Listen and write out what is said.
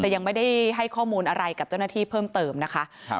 แต่ยังไม่ได้ให้ข้อมูลอะไรกับเจ้าหน้าที่เพิ่มเติมนะคะ